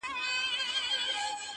• پیکر که هر څو دلربا تر دی -